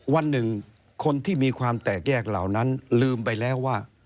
วันหนึ่งคนที่มีความแตกแยกเหล่านั้นลืมไปแล้วว่า